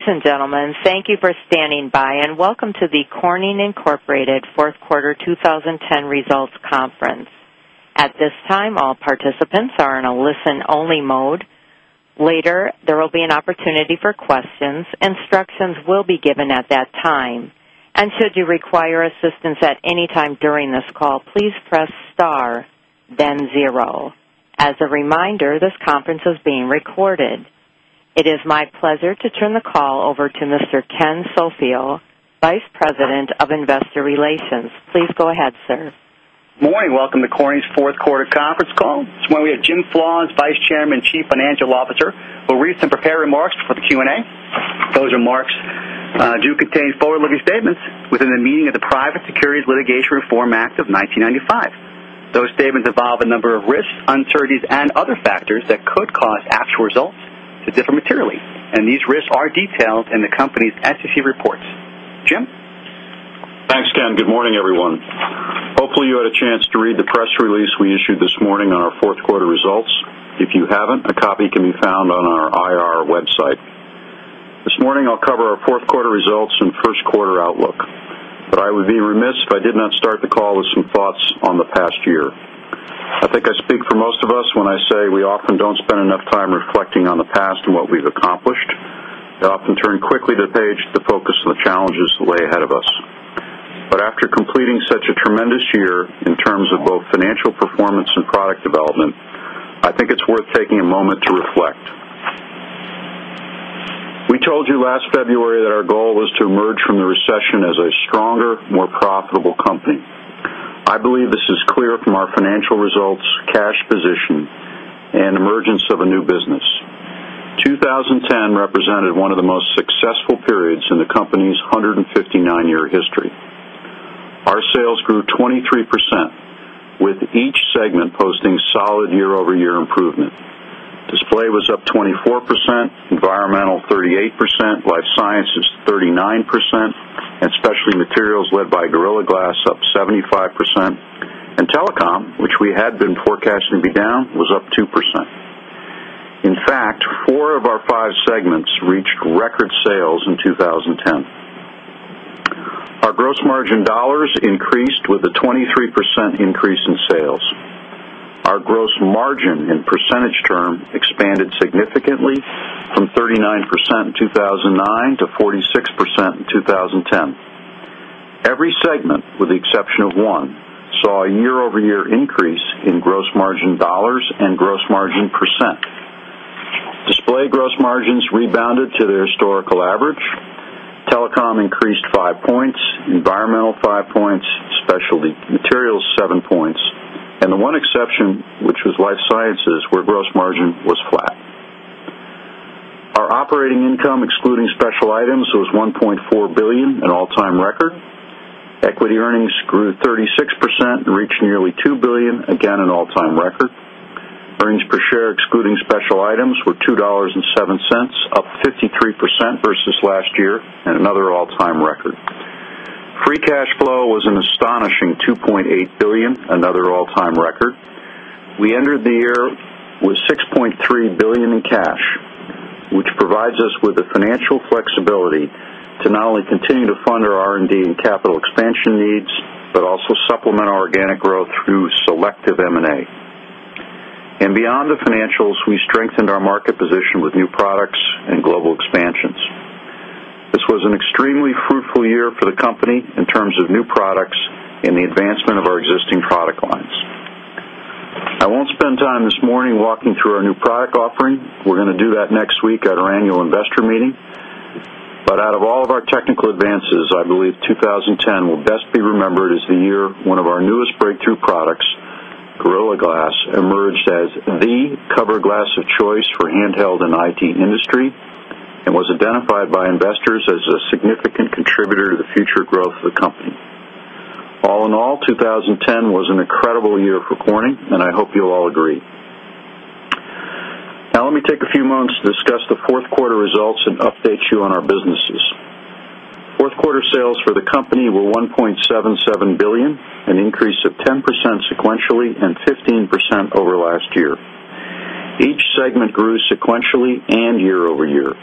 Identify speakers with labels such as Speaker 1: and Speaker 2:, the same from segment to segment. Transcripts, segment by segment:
Speaker 1: Ladies and gentlemen, thank you for standing by, and welcome to the Corning Incorporated 4th Quarter 2010 Results Conference. At this time, all participants are in a listen only mode. Later, there will be an opportunity for questions. Instructions will be given at that time. As a reminder, this conference is being recorded. It is my pleasure to turn the call over to Mr. Ken Solfio, Vice President of Investor Relations. Please go ahead, sir.
Speaker 2: Good morning. Welcome to Corning's Q4 conference call. This morning we have Jim Flawns, Vice Chairman and Chief Financial Officer, for recent prepared remarks for the Q and A. Those remarks do contain forward looking statements within the meaning of the Private Securities Litigation Reform Act of 1995. Those statements involve a number of risks, uncertainties and other factors that could cause actual results to differ materially and these risks are detailed in the company's SEC reports. Jim? Thanks, Ken. Good morning, everyone. Hopefully, you had a chance to read the press release we issued this morning on our Q4 results. If you haven't, a copy can be found on our IR website. This morning, I'll cover our 4th quarter results and Q1 outlook. But I would be remiss if I did not start the call with some thoughts on the past year. I think I speak for most of us when I say we often don't spend enough time reflecting on the past and what we've accomplished. We often turn quickly to the page to focus on the challenges that lay ahead of us. But after completing such a tremendous year in terms of both financial performance and product development, I think it's worth taking a moment to reflect. We told you last February that our goal was to emerge from the recession as a stronger, more profitable company. I believe this is clear from our financial results, cash position and emergence of a new business. 2010 represented one of the most successful periods in the company's 159 year history. Our sales grew 23% with each segment posting solid year over year improvement. Display was up 24%, environmental 38%, life sciences 39% and specialty materials led by Gorilla Glass up 75% and telecom which we had been forecasting to be down was up 2%. In fact, 4 of our 5 segments reached record sales in 2010. Our gross margin dollars increased with a 23% increase in sales. Our gross margin in percentage term expanded significantly from 39% in 2,009 to 46% in 2010. Every segment with the exception of 1 saw a year over year increase in gross margin dollars and gross margin percent. Display gross margins rebounded to their historical average. Telecom increased 5 points, environmental 5 points, specialty materials 7 points and the one exception which was Life Sciences, where gross margin was flat. Our operating income excluding special items was $1,400,000,000 an all time record. Equity earnings grew 36% and reached nearly $2,000,000,000 again an all time record. Earnings per share excluding special items were $2.07 up 53% versus last year and another all time record. Free cash flow was an astonishing $2,800,000,000 another all time record. We ended the year with $6,300,000,000 in cash, which provides us with the financial flexibility to not only continue to fund our R and D and capital expansion needs, but also supplement our organic growth through selective M and A. And beyond the financials, we strengthened our market position with new products and global expansions. This was an extremely fruitful year for the company in terms of new products and the advancement of our existing product lines. I won't spend time this morning walking through our new product offering. We're going to do that next week at our Annual Investor Meeting. But out of all of our technical advances, I believe 2010 will best be remembered as the year one of our newest breakthrough products Gorilla Glass emerged as the cover glass of choice for handheld and IT industry and was identified by investors as a significant contributor to the future growth of the company. All in all, 2010 was an incredible year for Corning and I hope you'll all agree. Now let me take a few moments to discuss the 4th quarter results and update you on our businesses. 4th quarter sales for the company were $1,770,000,000 an increase of 10% sequentially and 15% over last year. Each segment grew sequentially and year over year,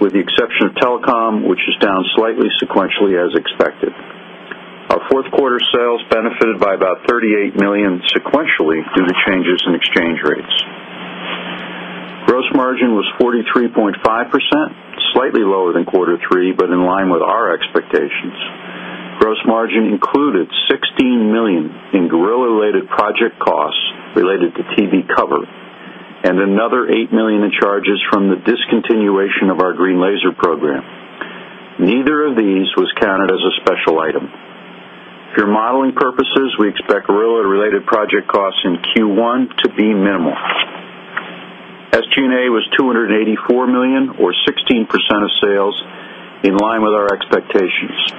Speaker 2: with the exception of telecom, which is down slightly sequentially as expected. Our 4th quarter sales benefited by about $38,000,000 sequentially due to changes in exchange rates. Gross margin was 43.5 percent, slightly lower than quarter 3, but in line with our expectations. Gross margin included $16,000,000 in gorilla related project costs related to TV cover and another $8,000,000 in charges from the discontinuation of our green laser program. Neither of these was counted as a special item. For modeling purposes, we expect Rillow related project costs in Q1 to be minimal. SG and A was $284,000,000 or 16 percent of sales, in line with our expectations.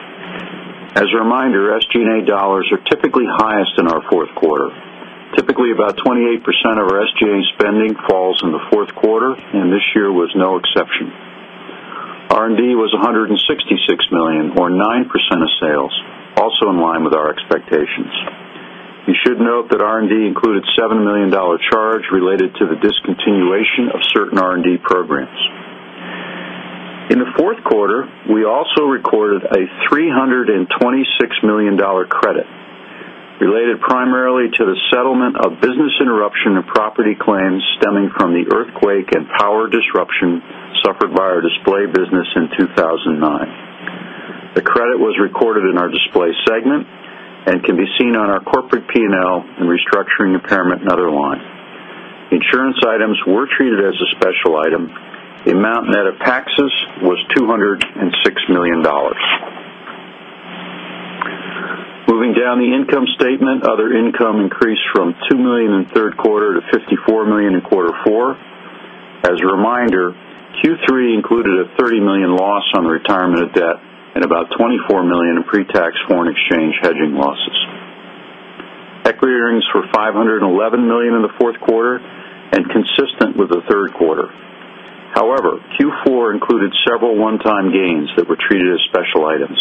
Speaker 2: As a reminder, SG and A dollars are typically highest in our Q4. Typically, about 28% of our SG and A spending falls in the Q4 and this year was no exception. R and D was $166,000,000 or 9% of sales, also in line with our expectations. You should note that R and D included $7,000,000 charge related to the discontinuation of certain R and D programs. In the Q4, we also recorded a $326,000,000 credit related primarily to the settlement of business interruption and property claims stemming from the earthquake and power disruption suffered by our Display business in 2,009. The credit was recorded in our Display segment and can be seen on our corporate P and L and restructuring impairment and other line. Insurance items were treated as a special item. The amount net of taxes was $206,000,000 Moving down the income statement, other income increased from 2 3rd quarter to $54,000,000 in quarter 4. As a reminder, Q3 included a $30,000,000 loss on retirement of debt and about $24,000,000 in pretax foreign exchange hedging losses. Equity earnings were $511,000,000 in the 4th quarter and consistent with the 3rd quarter. However, Q4 included several one time gains that were treated as special items.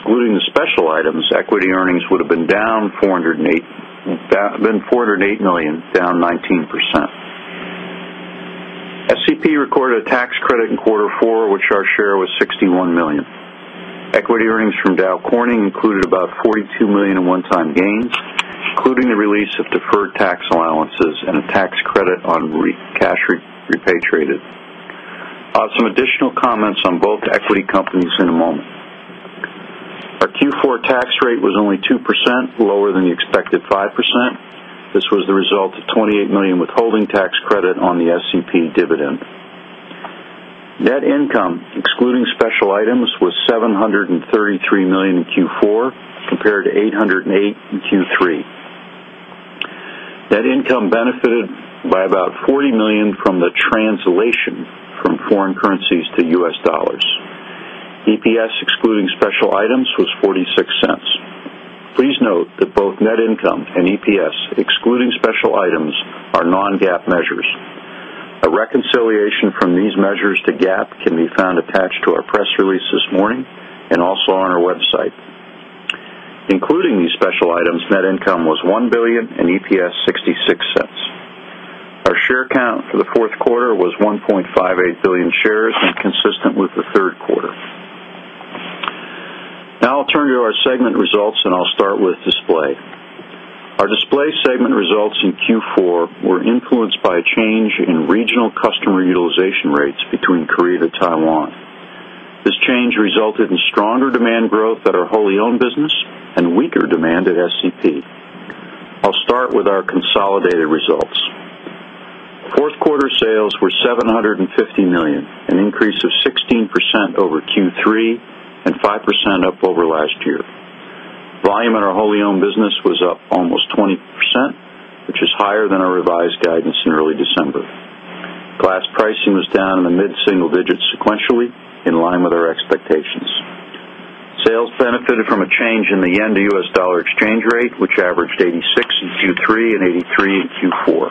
Speaker 2: Excluding the special items, equity earnings would have been down $408,000,000 down 19%. SCP recorded a tax credit in quarter 4, which our share was 61,000,000. Equity earnings from Dow Corning included about $42,000,000 in one time gains, including the release of deferred tax allowances and a tax credit on cash repatriated. I'll have some additional comments on both equity companies in a moment. Our Q4 tax rate was only 2%, lower than the expected 5%. This was the result of $28,000,000 withholding tax credit on the SEP dividend. Net income excluding special items was $733,000,000 in Q4 compared to $808,000,000 in Q3. Net income benefited by about $40,000,000 from the translation from foreign currencies to U. S. Dollars. EPS excluding special items was $0.46 Please note that both net income and EPS excluding special items are non GAAP measures. A reconciliation from these measures to GAAP can be found attached to our press release this morning and also on our website. Including these special items, net income was $1,000,000,000 and EPS 0.66 dollars Our share count for the Q4 was 1,580,000,000 shares and consistent with the 3rd quarter. Now I'll turn to our segment results and I'll start with Display. Our Display segment results in Q4 were influenced by a change in regional customer utilization rates between Korea to Taiwan. This change resulted in stronger demand growth at our wholly owned business and weaker demand at SCP. I'll start with our consolidated results. 4th quarter sales were $750,000,000 an increase of 16% over Q3 and 5% up over last year. Volume in our wholly owned business was up almost 20%, which is higher than our revised guidance in early December. Glass pricing was down in the mid single digits sequentially, in line with our expectations. Sales benefited from a change in the yen to U. S. Dollar exchange rate, which averaged 86% in Q3 and 83% in Q4.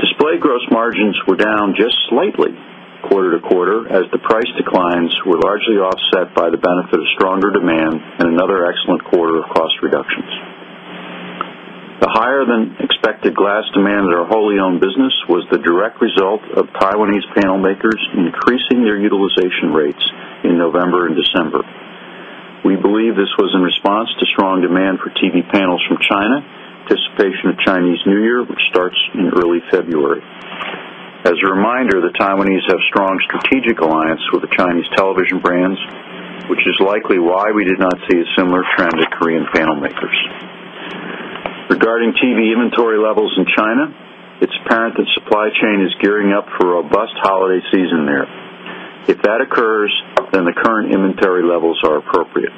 Speaker 2: Display gross margins were down just slightly quarter to quarter as the price declines were largely offset by the benefit of stronger demand and another excellent quarter of cost reductions. The higher than expected glass demand at our wholly owned business was the direct result of Taiwanese panel makers increasing their utilization rates in November December. We believe this was in response to strong demand for TV panels from China, anticipation of Chinese New Year, which starts in early February. As a reminder, the Taiwanese have strong strategic alliance with the Chinese television brands, which is likely why we did not see a similar trend to Korean panel makers. Regarding TV inventory levels in China, its parent that supply chain is gearing up for robust holiday season there. If that occurs, then the current inventory levels are appropriate.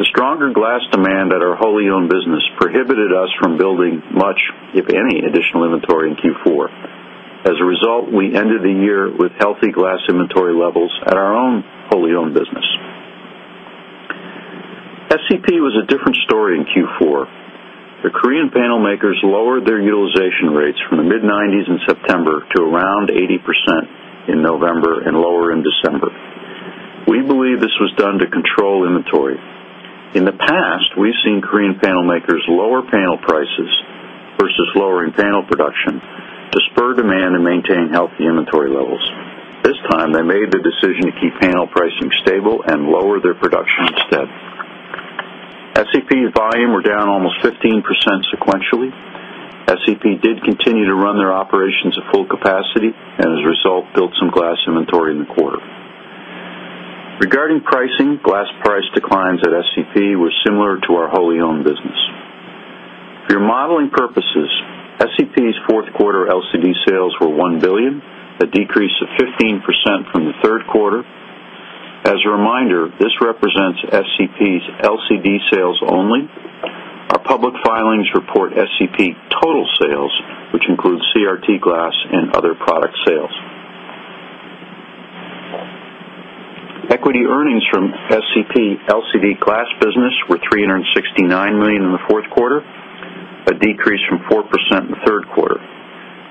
Speaker 2: The stronger glass demand at our wholly owned business prohibited us from building much, if any, additional inventory in Q4. As a result, we ended the year with healthy glass inventory levels at our own wholly owned business. SCP was a different story in Q4. The Korean panel makers lowered their utilization rates from the mid-90s in September to around 80% in November and lower in December. We believe this was done to control inventory. In the past, we've seen Korean panel makers lower panel prices versus lowering panel production to spur demand and maintain healthy inventory levels. This time, they made the decision to keep panel pricing stable and lower their production instead. SEP's volume were down almost 15% sequentially. SEP did continue to run their operations at full capacity and as a result built some glass inventory in the quarter. Regarding pricing, glass price declines at SEP were similar to our wholly owned business. For your modeling purposes, SCP's 4th quarter LCD sales were $1,000,000,000 a decrease of 15% from the 3rd quarter. As a reminder, this represents SCP's LCD sales only. Our public filings report SCP total sales, which include CRT glass and other product sales. Equity earnings from SEP LCD Glass business were $369,000,000 in the 4th quarter, a decrease from 4% in the 3rd quarter.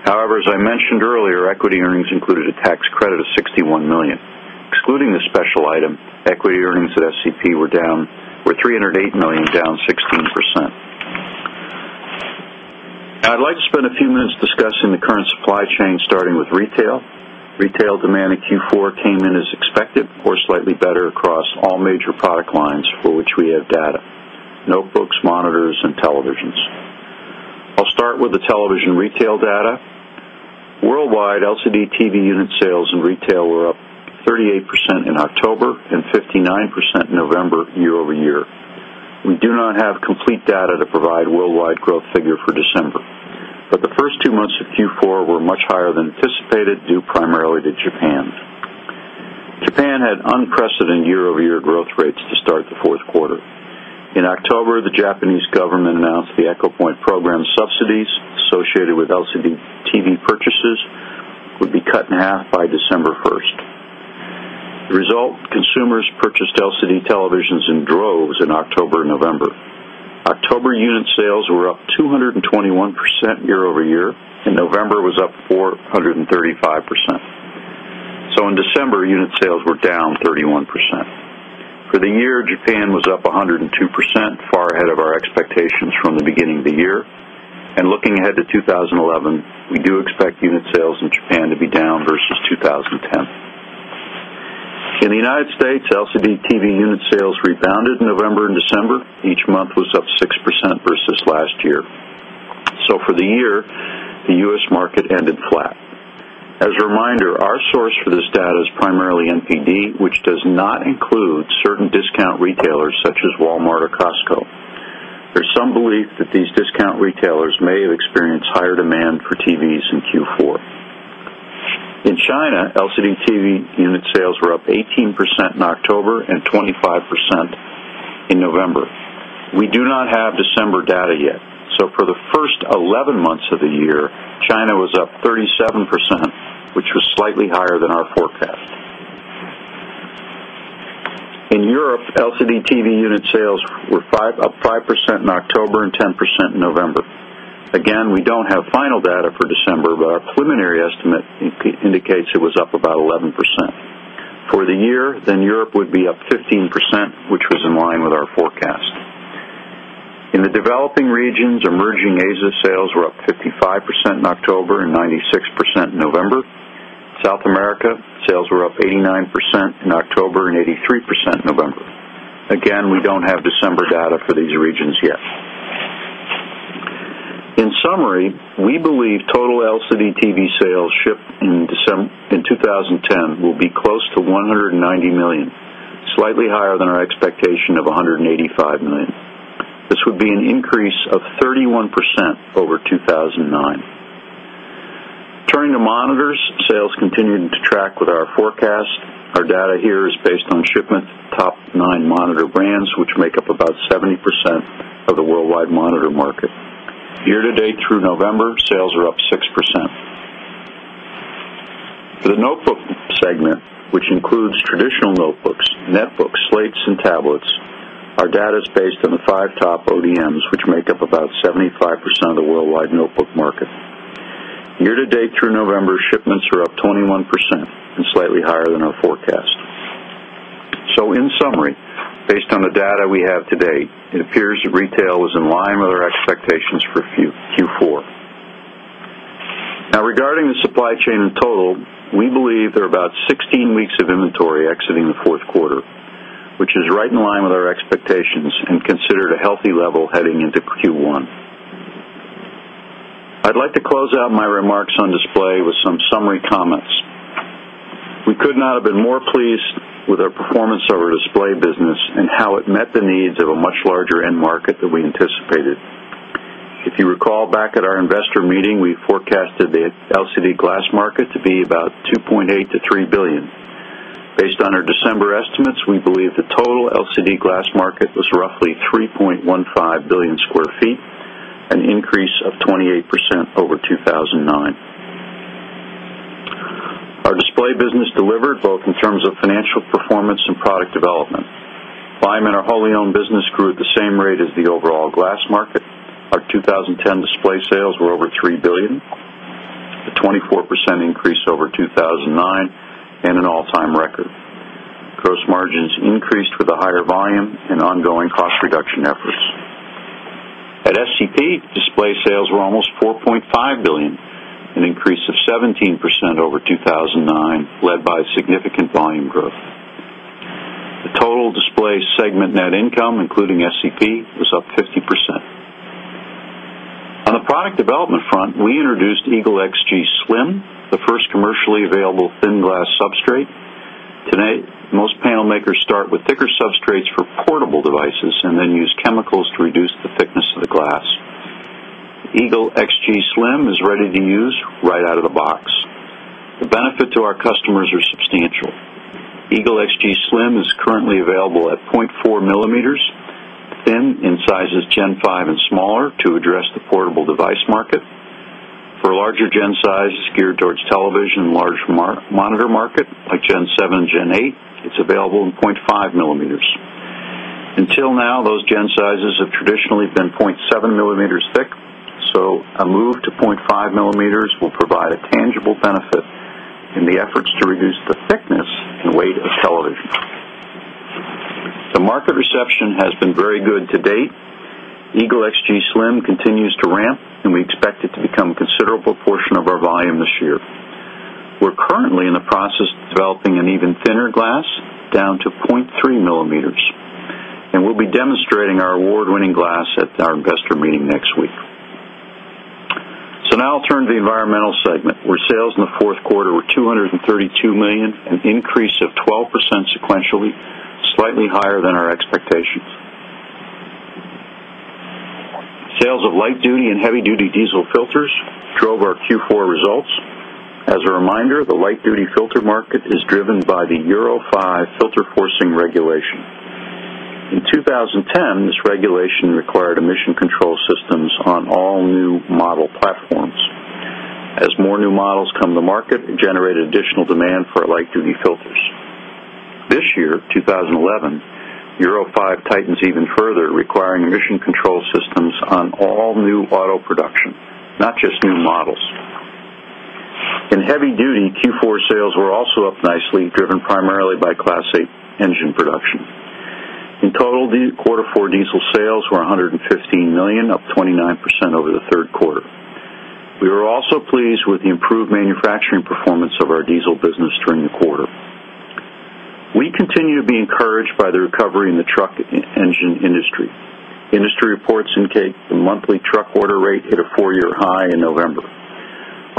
Speaker 2: However, as I mentioned earlier, equity earnings included a tax credit of $61,000,000 Excluding this special item, equity earnings at SCP were down were $308,000,000 down 16%. I'd like to spend a few minutes discussing the current supply chain starting with retail. Retail demand in Q4 came in as expected or slightly better across all major product lines for which we have data notebooks, monitors and televisions. I'll start with the television retail data. Worldwide, LCD TV unit sales in retail were up 38% in October and 59% in November year over year. We do not have complete data to provide worldwide growth figure for December. But the 1st 2 months of Q4 were much higher than anticipated due primarily to Japan. Japan had unprecedented year over year growth rates to start the Q4. In October, the Japanese government announced the Echo Point program subsidies associated with LCD purchases would be cut in half by December 1.
Speaker 3: The
Speaker 2: result, consumers purchased LCD televisions in droves in October November. October unit sales were up 2 21% year over year and November was up 4 35%. So in December, unit sales were down 31%. For the year, Japan was up 102%, far ahead of our expectations from the beginning of the year. And looking ahead to 2011, we do expect unit sales in Japan to be down versus 2010. In the United States, LCD TV unit sales rebounded in November December. Each month was up 6% versus last year. So for the year, the U. S. Market ended flat. As a reminder, our source for this data is primarily NPD, which does not include certain discount retailers such as Walmart or Costco. There is some belief that these discount retailers may have experienced higher demand for TVs in Q4. In China, LCD TV unit sales were up 18% in October and 25% in November. We do not have December data yet. So for the 1st 11 months of the year, China was up 37%, which was slightly higher than our forecast. In Europe, LCD TV unit sales were up 5% in October 10% in November. Again, we don't have final data for December, but our preliminary estimate indicates it was up about 11%. For the year, then Europe would be up 15%, which was in line with our forecast. In the developing regions, emerging Asia sales were up 55% in October and 96% in November. South America sales were up 89% in October and 83% in November. Again, we don't have December data for these regions yet. In summary, we believe total LCD TV sales shipped in December in 2010 will be close to 190,000,000 slightly higher than our expectation of $185,000,000 This would be an increase of 31% over 2,009. Turning to monitors. Sales continuing to track with our forecast. Our data here is based on shipment top 9 monitor brands, which make up about 70 percent of the worldwide monitor market. Year to date through November, sales were up 6%.
Speaker 3: For the
Speaker 2: notebook segment, which includes traditional notebooks, netbooks, slates and tablets, our data is based on the 5 top ODMs, which make up about 75% of the worldwide notebook market. Year to date through November, shipments were up 21% and slightly higher than our forecast. So in summary, based on the data we have today, it appears that retail was in line with our expectations for Q4. Now regarding the supply chain in total, we believe there are about 16 weeks of inventory exiting the 4th quarter, which is right in line with our expectations and considered a healthy level heading into Q1. I'd like to close out my remarks on display with some summary comments. We could not have been more pleased with our performance of our display business and how it met the needs of a much larger end market than we anticipated. If you recall back at our investor meeting, we forecasted the LCD glass market to be about $2,800,000,000 to $3,000,000,000 Based on our December estimates, we believe the total LCD glass market was roughly 3,150,000,000 square feet, an increase of 28% over 2,009. Our display business delivered both in terms of financial performance and product development. Biman, our wholly owned business, grew at the same rate as the overall glass market. Our 2010 display sales were over 3,000,000,000 dollars a 24% increase over 2,009 and an all time record. Gross margins increased with the higher volume and ongoing cost reduction efforts. At SCP, display sales were almost $4,500,000,000 an increase of 17% over 2,009 led by significant volume growth. The total Display segment net income including SCP was up 50%. On the product development front, we introduced Eagle XG Slim, the first commercially available thin glass substrate. Today, most panel makers start with thicker substrates for portable devices and then use chemicals to reduce the thickness of the glass. Eagle XGSlim is ready to use right out of the box. The benefit to our customers are substantial. Eagle XGSlim is currently available at 0.4 millimeters thin in sizes Gen 5 and smaller to address the portable device market. For larger gen sizes geared towards television and large monitor market like Gen 7 and Gen 8, it's available in 0.5 millimeters. Until now, those gen sizes have traditionally been 0.7 millimeters thick, so a move to 0.5 millimeters will provide a tangible benefit in the efforts to reduce the thickness and weight of television. The market reception has been very good to date. Eagle XGSlim continues to ramp and we expect it to become a considerable portion of our volume this year. We're currently in the process of developing an even thinner glass down to 0.3 millimeters and we'll be demonstrating our award winning glass at our investor meeting next week. Now I'll turn to the Environmental segment where sales in the 4th quarter were $232,000,000 an increase of 12% sequentially, slightly higher than our expectations. Sales of light duty and heavy duty diesel filters drove our Q4 results. As a reminder, the light duty filter market is driven by the Euro 5 filter forcing regulation. In 2010, this forcing regulation. In 2010, this regulation required emission control systems on all new model platforms. As more new models come to market, it generated additional demand for light duty filters. This year, 2011, Euro 5 tightens even further requiring mission control systems on all new auto production, not just new models. In heavy duty, Q4 sales were also up nicely driven primarily by Class 8 engine production. In total, the quarter 4 diesel sales were $115,000,000 up 29% over the 3rd quarter. We were also pleased with the improved manufacturing performance of our diesel business during the quarter. We continue to be encouraged by the recovery in the truck engine industry. Industry reports indicate the monthly truck order rate hit a 4 year high in November.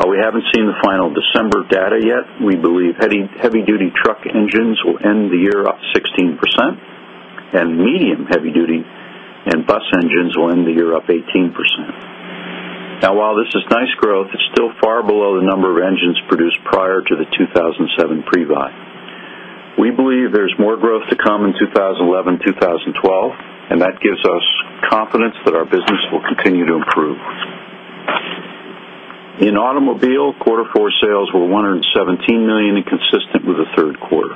Speaker 2: While we haven't seen the final December data yet, we believe heavy duty truck engines will end the year up 16% and medium heavy duty and bus engines will end the year up 18%. Now while this is nice growth, it's still far below the number of engines produced prior to the 2,007 pre buy. We believe there is more growth to come in 2011, 2012 and that gives us confidence that our business will continue to improve. In automobile, quarter 4 sales were $117,000,000 and consistent with the 3rd quarter.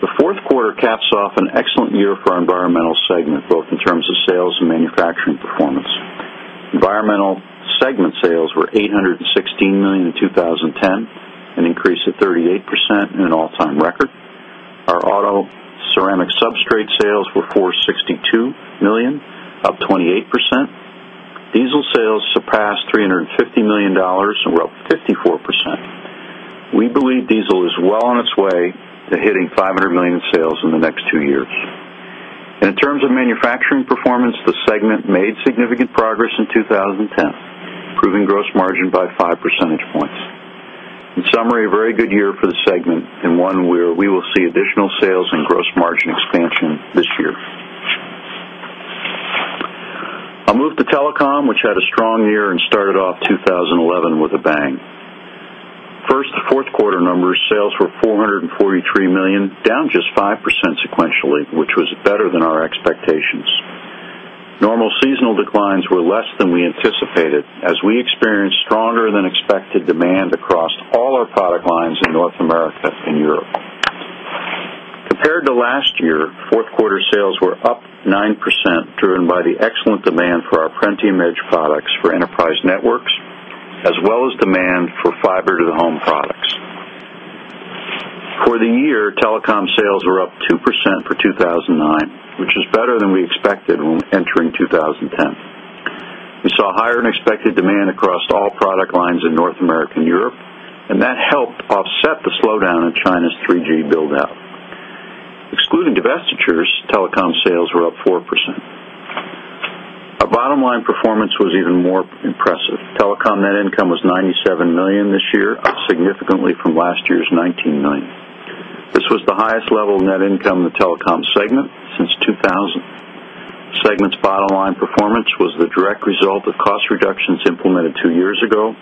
Speaker 2: The 4th quarter caps off an excellent year for our environmental segment both in terms of sales and manufacturing performance. Environmental segment sales were $816,000,000 in 20.10, an increase of 38% and an all time record. Our auto ceramic substrate sales were $462,000,000 up 28%. Diesel sales surpassed $350,000,000 and were up 54%. We believe diesel is well on its way to hitting $500,000,000 in sales in the next 2 years. And in terms of manufacturing performance, the segment made significant progress in 2010, proving gross margin by 5 percentage points. In summary, a very good year for the segment and one where we will see additional sales and gross margin expansion this year. I'll move to telecom, which had a strong year and started off 2011 with a bang. First, the 4th quarter numbers sales were $443,000,000 down just 5% sequentially, which was better than our expectations. Normal seasonal declines were less than we anticipated as we experienced stronger than expected demand across all our product lines in North America and Europe. Compared to last year, 4th quarter sales were up 9% driven by the excellent demand for our Prenti Image products for enterprise networks as well as demand for fiber to the home products. For the year, telecom sales were up 2% for 2,009, which is better than we expected when entering 2010. We saw higher than expected demand across all product lines in North America and Europe and that helped offset the slowdown in China's 3 gs build out. Excluding divestitures, telecom sales were up 4%. Our bottom line performance was even more impressive. Telecom net income was $97,000,000 this year, up significantly from last year's 19,000,000 dollars This was the highest level of net income in the telecom segment since 2000. Segment's bottom line performance was the direct result of cost reductions implemented 2 years ago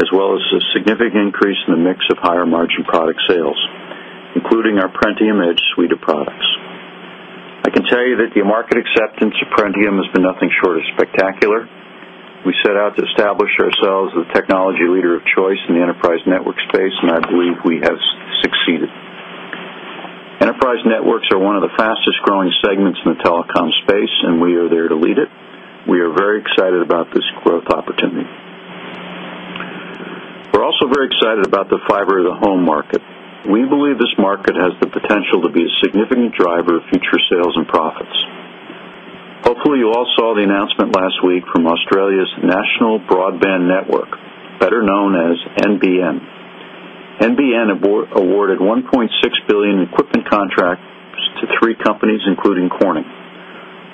Speaker 2: as well as a significant increase in the mix of higher margin product sales, including our Perentium Edge suite of products. I can tell you that the market acceptance of Perentium has been nothing short of spectacular. We set out to establish ourselves as the technology leader of choice in the enterprise network space and I believe we have succeeded. Enterprise networks are one of the fastest growing segments in the telecom space and we are there to lead it. We are very excited about this growth opportunity. We're also very excited about the fiber to the home market. We believe this market has the potential to be a significant driver of future sales and profits. Hopefully, you all saw the announcement last week from Australia's National Broadband Network, better known as NBN. NBN awarded $1,600,000,000 equipment contracts to 3 companies including Corning.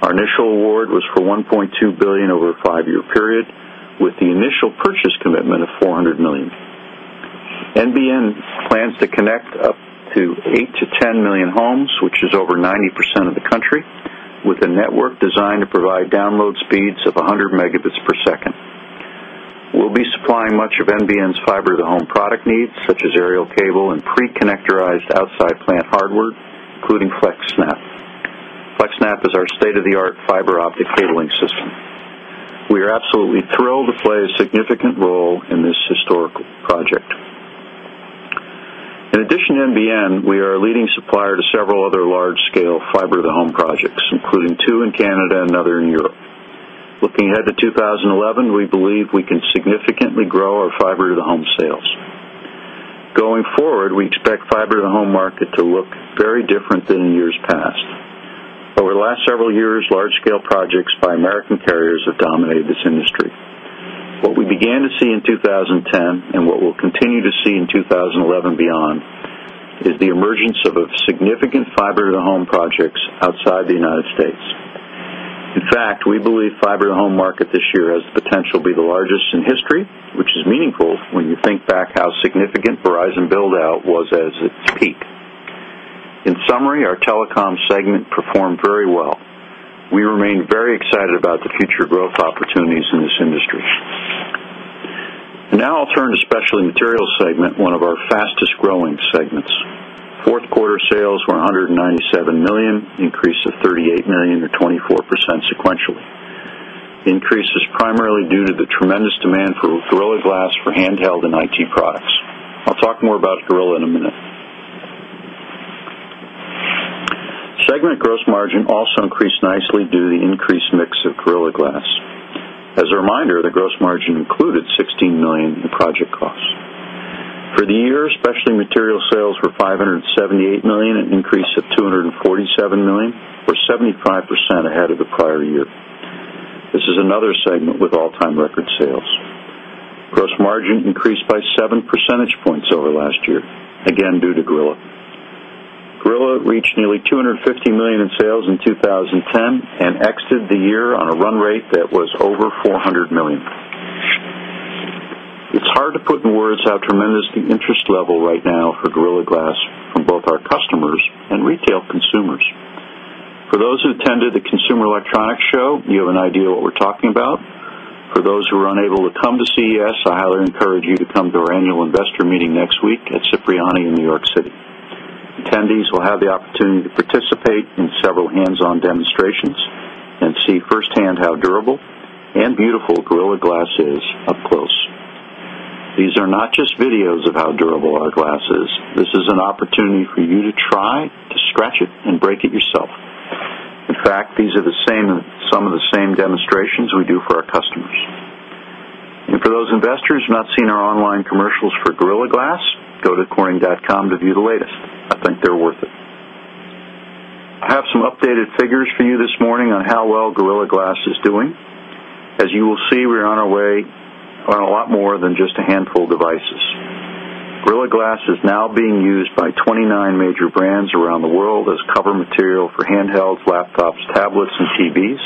Speaker 2: Our initial award was for $1,200,000,000 over a 5 year period with the initial purchase commitment of 400,000,000 dollars NBN plans to connect up to 8000000 to 10000000 homes, which is over 90% of the country, with a network designed to provide download speeds of 100 megabits per second. We'll be supplying much of NBN's fiber to the home product needs, such as aerial cable and pre connectorized outside plant hardware, including FlexSnap. FlexSnap is our state of the art fiber optic cabling system. We are absolutely thrilled to play a significant role in this historical project. In addition to NBN, we are a leading supplier to several other large scale fiber to the home projects, including 2 in Canada and another in Europe. Looking ahead to 2011, we believe we can significantly grow our fiber to the home sales. Going forward, we expect fiber to the home market to look very different than in years past. Over the last several years, large scale projects by American carriers have dominated this industry. What we began to see in 2010 and what we'll continue to see in 2011 beyond is the emergence of a significant fiber to the home projects outside the United States. In fact, we believe fiber to home market this year has the potential to be the largest in history, which is meaningful when you think back how significant Verizon build out was as peak. In summary, our Telecom segment performed very well. We remain very excited about the future growth opportunities in this industry. Now I'll turn to Specialty Materials segment, one of our fastest growing segments. 4th quarter sales were $197,000,000 increase of $38,000,000 or 24% sequentially. The increase is primarily due to the tremendous demand for Gorilla Glass for handheld and IT products. I'll talk more about Gorilla in a minute. Segment gross margin also increased nicely due to the increased mix of Gorilla Glass. As a reminder, the gross margin included $16,000,000 in project costs. For the year, specialty material sales were $578,000,000 an increase of $247,000,000 or 75% ahead of the prior year. This is another segment with all time record sales. Gross margin increased by 7 percentage points over last year, again due to Gorilla. Gorilla reached nearly $250,000,000 in sales in 2010 and exited the year on a run rate that was over $400,000,000 dollars It's hard to put in words how tremendous the interest level right now for Gorilla Glass from both our customers and retail consumers. For those who attended the Consumer Electronics Show, you have an idea of what we're talking about. For those who are unable to come to CES, I highly encourage you to come to our Annual Investor Meeting week at Cipriani in New York City. Attendees will have the opportunity to participate in several hands on demonstrations and see firsthand how durable and beautiful Gorilla Glass is up close. These are not just videos of how durable our glass is. This is an opportunity for you to try to stretch it and break it yourself. In fact, these are the same some of the same demonstrations we do for our customers. And for those investors not seeing our online commercials for Gorilla Glass, go to corning.com to view the latest. I think they're worth it. I have some updated figures for you this morning on how well Gorilla Glass is doing. As you will see, we're on our way on a lot more than just a handful devices. Gorilla Glass is now being used by 29 major brands around the world as cover material for handhelds, laptops, tablets and TVs.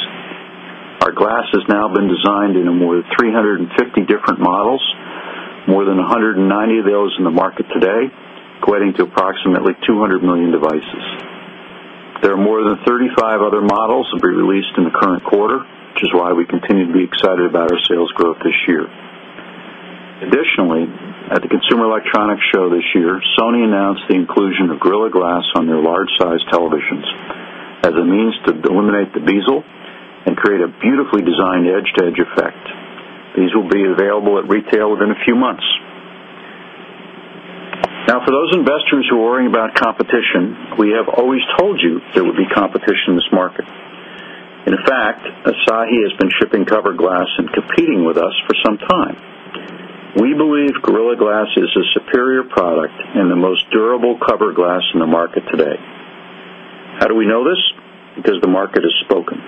Speaker 2: Our glass has now been designed in more than 350 different models, more than 190 of those in the market today, equating to approximately 200,000,000 devices. There are more than 35 other models to be released in the current quarter, which is why we continue to be excited about our sales growth this year. Additionally, at the Consumer Electronics Show this year, Sony announced the inclusion of Gorilla Glass on their large sized televisions as a means to eliminate the bezel and create a beautifully designed edge to edge effect. These will be available at retail within a few months. Now for those investors who are worrying about competition, we have always told you there would be competition in this market. In fact, Asahi has been shipping covered glass and competing with us for some time. We believe Gorilla Glass is a superior product and the most durable cover glass in the market today. How do we know this? Because the market has spoken.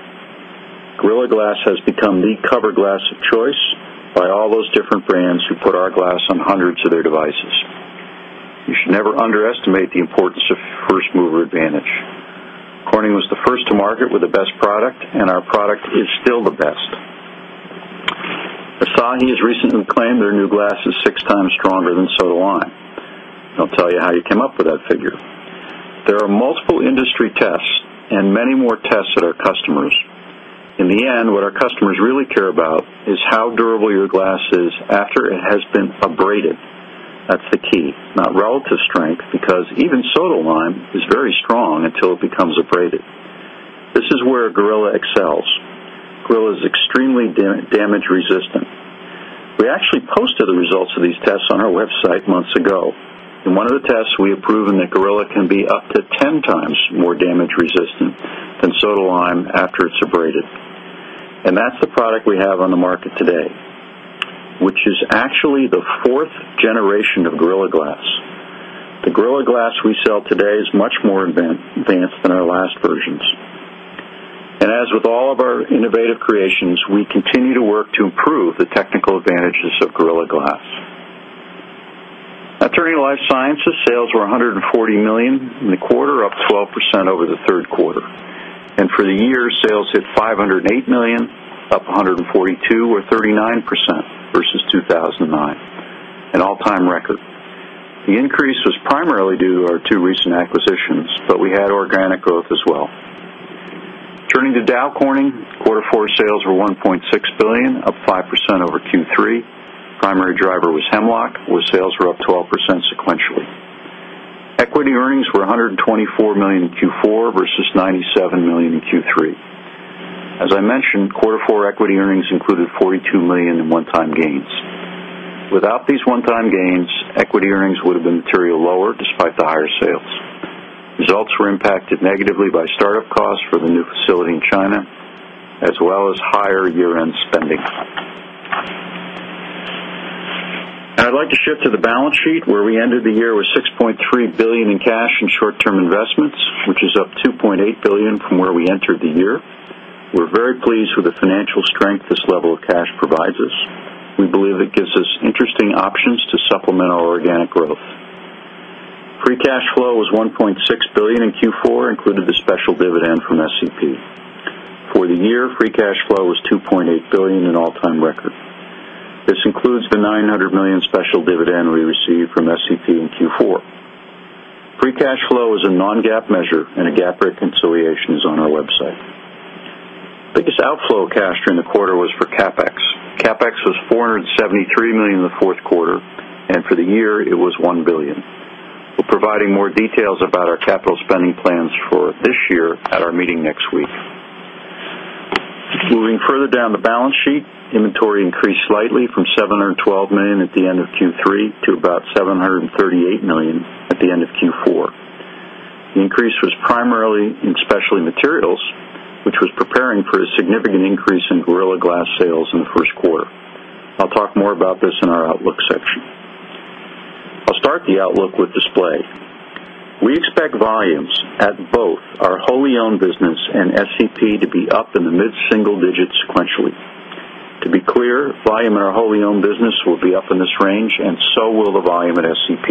Speaker 2: Gorilla Glass has become the cover glass of choice by all those different brands who put our glass on hundreds of their devices. You should never underestimate the importance of 1st mover advantage. Corning was the 1st to market with the best product and our product is still the best. Asahi has recently claimed their new glass is 6 times stronger than soda lime. I'll tell you how you came up with that figure. There are multiple industry tests and many more tests at our customers. In the end, what our customers really care about is how durable your glass is after it has been abraded. That's the key, not relative strength because even soda lime is very strong until it becomes abraded. This is where Gorilla excels. Gorilla is extremely damage resistant. We actually posted the results of these tests on our website months ago. In one of the tests, we have proven that Gorilla can be up to 10 times more damage resistant than soda lime after it's abraded. And that's the product we have on the market today, which is actually the 4th generation of Gorilla Glass. The Gorilla Glass we sell today is much more advanced than our last versions. And as with all of our innovative creations, we continue to work to improve the technical advantages of Gorilla Glass. At Turning to Life Sciences, sales were $140,000,000 in the quarter, up 12% over the Q3. And for the year, sales hit $508,000,000 up 142 or 39% versus 2,009, an all time record. The increase was primarily due to our 2 recent acquisitions, but we had organic growth as well. Turning to Dow Corning, quarter 4 sales were $1,600,000,000 up 5% over Q3. Primary driver was Hemlock, where sales were up 12% sequentially. Equity earnings were $124,000,000 in Q4 versus $97,000,000 in Q3. As I mentioned, quarter 4 equity earnings included $42,000,000 in one time gains. Without these one time gains, equity earnings would have been materially lower despite the higher sales. Results were impacted negatively by start up costs for the new facility in China as well as higher year end spending. And I'd like to shift to the balance sheet where we ended the year with $6,300,000,000 in cash and short term investments, which is up $2,800,000,000 from where we entered the year. We're very pleased with the financial strength this level of cash provides us. We believe it gives us interesting options to supplement our organic growth. Free cash flow was $1,600,000,000 in Q4 included the the The biggest outflow of cash during the quarter was for CapEx. Biggest outflow of cash during the quarter was for CapEx. CapEx was $473,000,000 in the 4th quarter and for the year it was 1,000,000,000 We're providing more details about our capital spending plans for this year at our meeting next week. Moving further down the balance sheet, inventory increased slightly from $712,000,000 at the end of Q3 to about $738,000,000 at the end of Q4. The increase was primarily in specialty materials, which was preparing for a significant increase in Gorilla Glass sales in the Q1. I'll talk more about this in our outlook section. I'll start the outlook with display. We expect volumes at both our wholly owned business and SEP to be up in the mid single digits sequentially. To be clear, volume in our wholly owned business will be up in this range and so will the volume at SEP.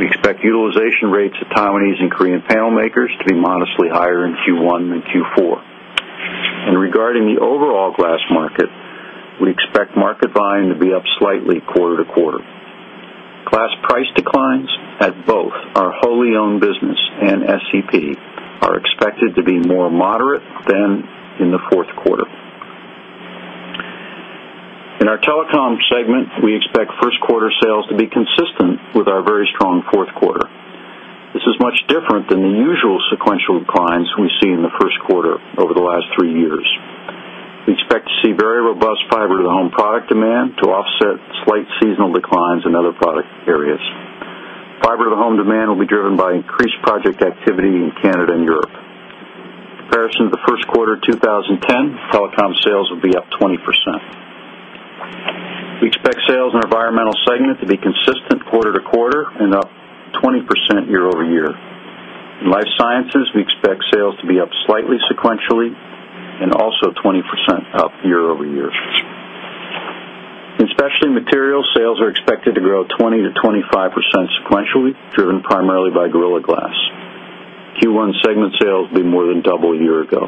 Speaker 2: We expect utilization rates at Taiwanese and Korean panel makers to be modestly higher in Q1 than Q4. And regarding the overall glass market, we expect market volume to be up slightly quarter to quarter. Glass price declines at both our wholly owned business and SEP are expected to be more moderate than in the 4th quarter. In our Telecom segment, we expect Q1 sales to be consistent with our very strong 4th quarter. This is much different than the usual sequential declines we see in the Q1 over the last 3 years. We expect to see very robust fiber to the home product demand to offset slight seasonal declines in other product areas. Fiber to the home demand will be driven by increased project activity in Canada and Europe. In comparison to the Q1 of 2010, telecom sales will be up 20%. We expect sales in our environmental segment to be consistent quarter to quarter and up 20% year over year. In Life Sciences, we expect sales to be up slightly sequentially and also 20% up year over year. In Specialty Materials, sales are expected to grow 20% to 25% sequentially, driven primarily by Gorilla Glass. Q1 segment sales will be more than double a year ago.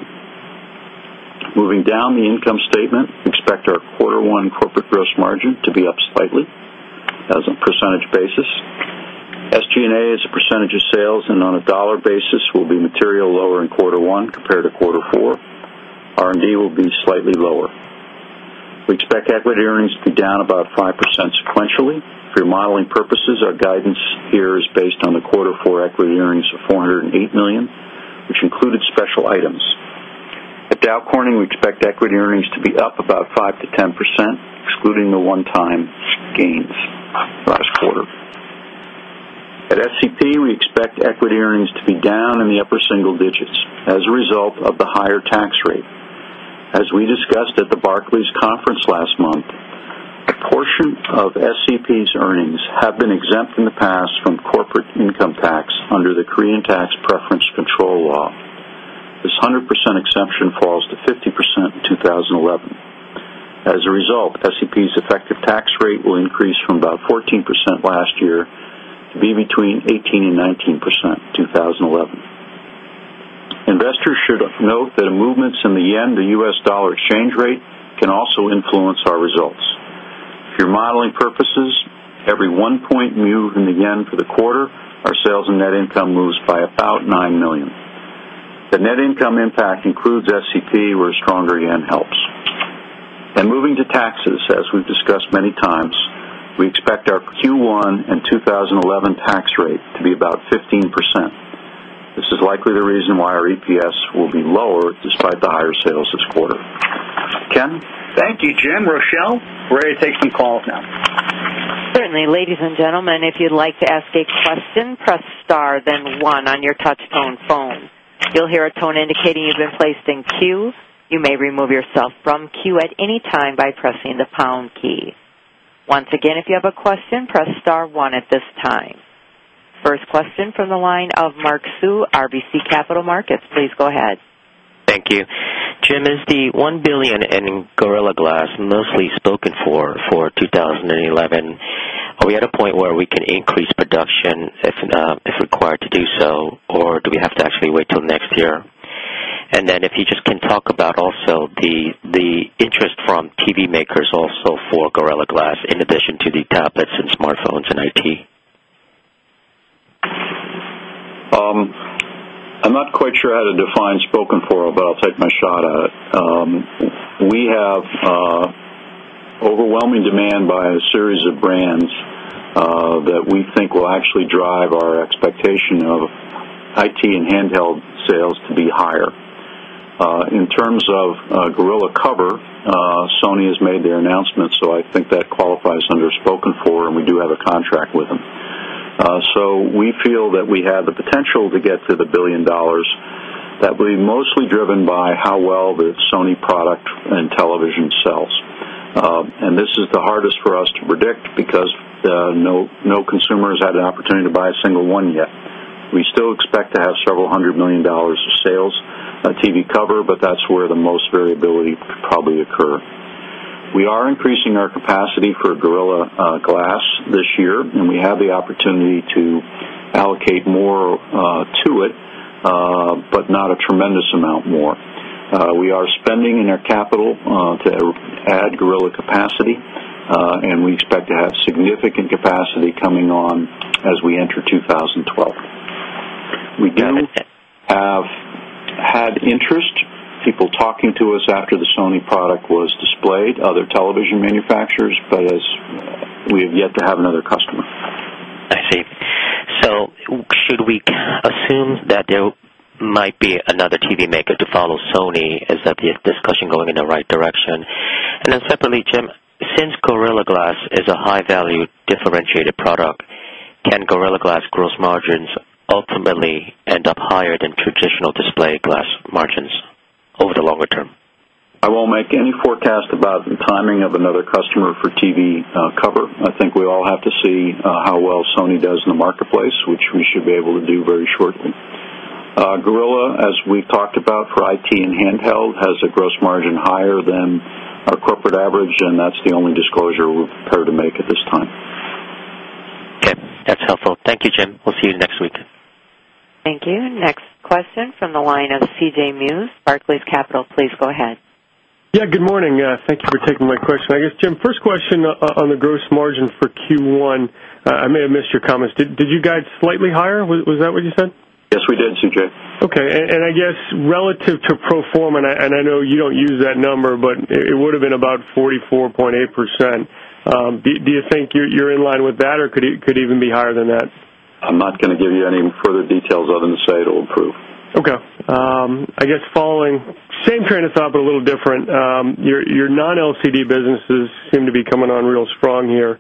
Speaker 2: Moving down the income statement, expect our quarter 1 corporate gross margin to be up slightly as a percentage basis. SG and A as a percentage of sales and on a dollar basis will be materially lower in quarter 1 compared to quarter 4. R and D will be slightly lower. We expect equity earnings to be down about 5% sequentially. For modeling purposes, our guidance here is based on the quarter 4 equity earnings of $408,000,000 which included special items. At Dow Corning, we expect equity earnings to be up about 5% to 10 percent excluding the one time gains last quarter. At SCP, we expect equity earnings to be down in the upper single digits as a result of the higher tax rate. As we discussed at the Barclays Conference last month, a portion of SEP's earnings have been exempt in the past from corporate income tax under the Korean Tax Preference Control Law. This 100% exemption falls to 50% in 2011. As a result, SEP's effective tax rate will increase from about 14% last year to be between 18% 19% in 2011. Investors should note that movements in the yen to U. S. Dollar exchange rate can also influence our results. For modeling purposes, every 1 point new in the yen for the quarter, our sales and net income moves by about $9,000,000 The net income impact includes SEP where stronger yen helps. And moving to taxes, as we've discussed many times, we expect our Q1 2011 tax rate to be about 15%. This is likely the reason why our EPS will be lower despite the higher sales this quarter. Ken? Thank you, Jim. Rochelle, we're ready to take some calls
Speaker 4: now.
Speaker 1: First question from the line of Mark Hsu, RBC Capital Markets. Please go ahead.
Speaker 3: Thank you. Jim, is the $1,000,000,000 ending Gorilla Glass mostly spoken for, for 20 11? Are we at a point where we can increase production if required to do so? Or do we have to actually wait till next year? And then if you just can talk about also the interest from TV makers also for Gorilla Glass in addition to the tablets and smartphones and IT?
Speaker 2: I'm not quite sure how to define spoken for, but I'll take my shot at it. We have overwhelming demand by a series of brands that we think will actually drive our expectation of IT and handheld sales to be higher. In terms of Gorilla Cover, Sony has made their announcement. So I think that qualifies under spoken for and we do have a contract with them. So we feel that we have the potential to get to the $1,000,000,000 that will be mostly driven by how well the Sony product and television sells. And this is the hardest for us to predict because no consumers had an opportunity to buy a single one yet. We still expect to have several $100,000,000 of sales TV cover, but that's where the most variability could probably occur. We are increasing our capacity for Gorilla Glass this year and we have the opportunity to allocate more to it, but not a tremendous amount more. We are spending in our capital to add Gorilla capacity and we expect to have significant capacity coming on as
Speaker 5: we enter
Speaker 2: 2012. We then have had interest, people talking to us after the Sony product was displayed, other television manufacturers, but as we have yet to have another customer.
Speaker 3: I see. So should we assume that there might be another TV maker to follow Sony? Is that the discussion going in the right direction? And then separately, Jim, since Gorilla Glass is a high value differentiated product, can Gorilla Glass gross margins ultimately end up higher than traditional display glass margins
Speaker 6: over the longer term?
Speaker 2: I won't make any forecast about the timing of another customer for TV cover. I think we all have to see how well Sony does in the marketplace, which we should be able to do very shortly. Gorilla, as we've talked about for IT and handheld, has a gross margin higher than our corporate average and that's the only disclosure we're prepared to make at this time.
Speaker 3: Okay. That's helpful. Thank you, Jim. We'll see you next week.
Speaker 1: Thank you. Next question from the line of C. J. Muse, Barclays Capital. Please go ahead.
Speaker 7: J. Muse:] Yes, good morning. Thank you for taking my question. I guess, Jim, first question on the gross margin for Q1. I may have missed your comments. Did you guide slightly higher? Was that what you said?
Speaker 2: Yes, we did, C. J.
Speaker 7: Okay. And I guess relative to pro form a and I know you don't use that number, but it would have been about 44.8%. Do you think you're in line with that or could even be higher than that?
Speaker 2: I'm not going to give you any further details other than to say it will improve.
Speaker 7: Okay. I guess following same train of thought, but a little different. Your non LCD businesses seem to be coming on real strong here.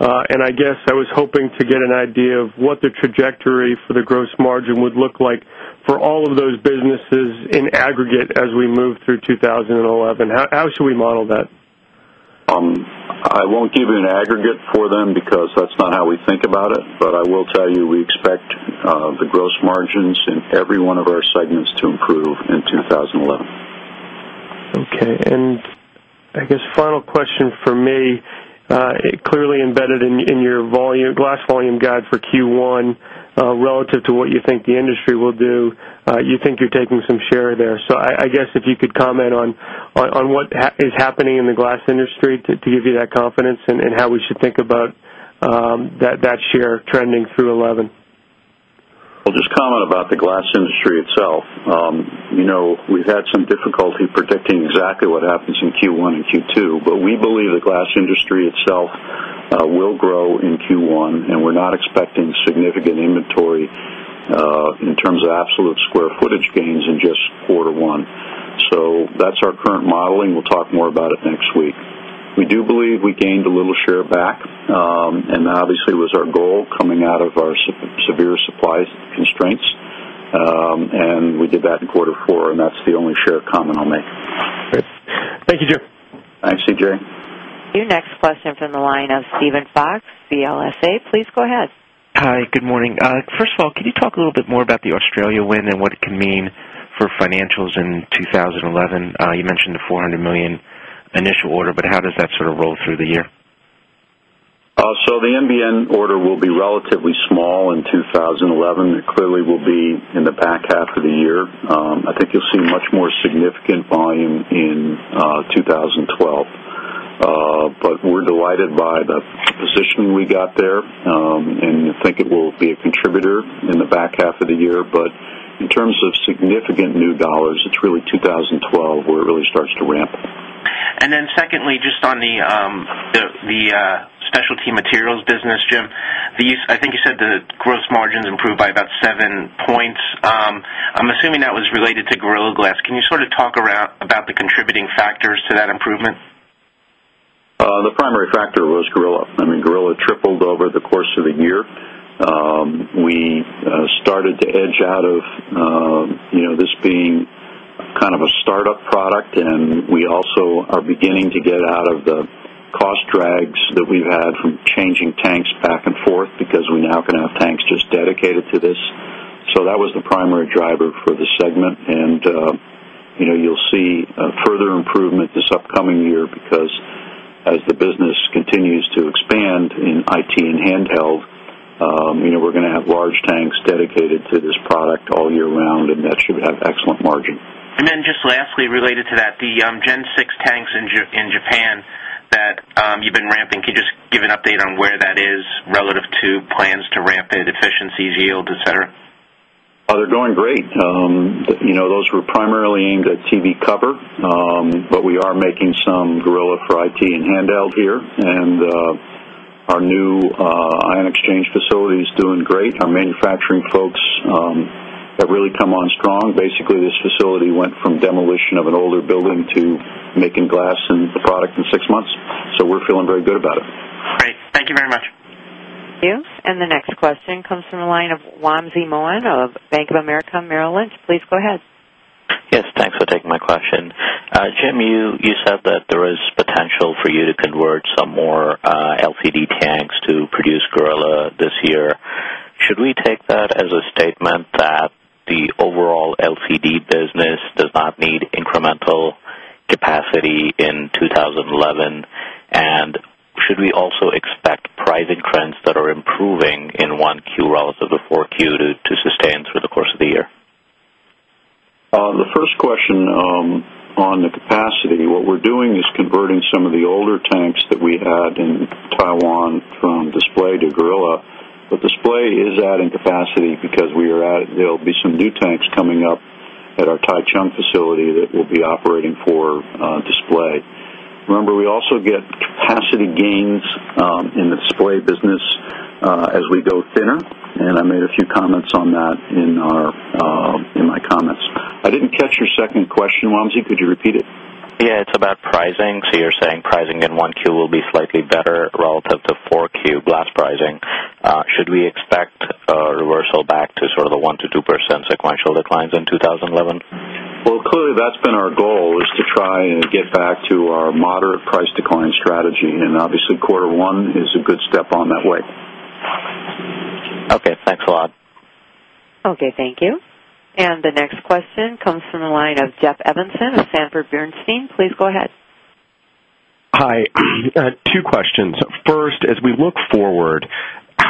Speaker 7: And I guess I was hoping to get an idea of what the trajectory for the gross margin would look like for all of those businesses in aggregate as we move through 2011? How should we model that?
Speaker 2: I won't give you an aggregate for them because that's not how we think about it. But I will tell you we expect the gross margins in every one of our segments to improve in 2011.
Speaker 7: Okay. And I guess final question for me. Clearly embedded in your volume glass volume guide for Q1 relative to what you think the industry will do, you think you're taking some share there. So I guess if you could comment on what is happening in the glass industry to give you that confidence and how we should think about that share trending through 2011?
Speaker 2: I'll just comment about the glass industry itself. We've had some difficulty predicting exactly what happens in Q1 and Q2, but we believe the glass industry itself will grow in Q1 and we're not expecting significant inventory in terms of absolute square footage gains in just quarter 1. So that's our current modeling. We'll talk more about it next week. We do believe we gained a little share back and that obviously was our goal coming out of our severe supply constraints. And we did that in quarter 4 and that's the only share comment I'll make. Great.
Speaker 7: Thank you, Jerry.
Speaker 2: Jim. Thanks, C. J.
Speaker 1: Your next question is from the line of Steven Fox, CLSA. Please go ahead.
Speaker 8: Hi, good morning. First of all, can you talk a little bit more about the Australia win and what it can mean for financials in 2011? You mentioned the 400,000,000 dollars initial order, but how does that sort of roll through the year?
Speaker 2: So the NBN order will be relatively small in 2011. It clearly will be in the back half of the year. I think you'll see much more significant volume in 2012. But we're delighted by the position we got there and think it will be a contributor in the back half of the year. But in terms of significant new dollars, it's really 2012 where it really starts to ramp.
Speaker 8: And then secondly, just on the Specialty Materials business, Jim, I think you said the gross margins improved by about 7 points. I'm assuming that was related to Gorilla Glass. Can you sort of talk about the contributing factors to that improvement?
Speaker 2: The primary factor was Gorilla. I mean Gorilla tripled over the course of the year. We started to edge out of this being kind of a startup product and we also are beginning to get out of the cost drags that we've had from changing tanks back and forth because we now can have tanks just dedicated to this. So that was the primary driver for this segment and you'll see further improvement this upcoming year because as the business continues to expand in IT and handheld, we're going to have large tanks dedicated to this product all year round and that should have excellent margin.
Speaker 8: And then just lastly related to that, the Gen 6 tanks in Japan that you've been ramping, could you just give an update on where that is relative to plans to ramp it, efficiencies, yield, etcetera?
Speaker 2: They're going great. Those were primarily aimed at TV cover, but we are making some Gorilla for IT and handheld here. And our new ion exchange facility is doing great. Our manufacturing folks have really come on strong. Basically this facility went from demolition of an older building to making glass and the product in 6 months. So, we're feeling very good about it.
Speaker 8: Great. Thank you very much.
Speaker 1: Thank you. And the next question comes from the line of Wamsi Mohan of Bank of America Merrill Lynch. Please go ahead.
Speaker 3: Yes. Thanks for taking my question. Jim,
Speaker 9: you said that there is potential for you to convert some more LCD tanks to produce Guerrilla this year. Should we take that as a statement that the overall LCD business does not need incremental capacity in 2011? And should we also expect price trends that are improving in 1Q relative to 4Q to sustain through the course of the year?
Speaker 2: The first question on the capacity, what we're doing is converting some of the older tanks that we had in Taiwan from display to gorilla. But display is adding capacity because we are at there will be some new tanks coming up at our Taichung facility that we'll be operating for display. Remember, we also get capacity gains in the display business as we go thinner and I made a few comments on that in my comments. I didn't catch your second question. Wamsi, could you repeat it?
Speaker 9: Yes. It's about pricing. So you're saying pricing in 1Q will be slightly better relative to 4Q glass pricing. Should we expect a reversal back to sort of the 1% to 2% sequential declines in 2011?
Speaker 2: Well, clearly, that's been our goal is to try and get back to our moderate price decline strategy. And obviously, quarter 1 is a good step on that way.
Speaker 3: Okay. Thanks a lot.
Speaker 1: Okay. Thank you. And the next question comes from the line of Jeff Evanson of Sanford Bernstein. Please go ahead.
Speaker 10: Hi. Two questions. First, as we look forward,